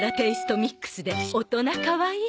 ミックスで大人かわいいってやつ？